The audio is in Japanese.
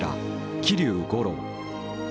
桐生五郎。